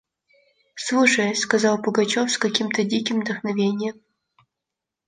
– Слушай, – сказал Пугачев с каким-то диким вдохновением.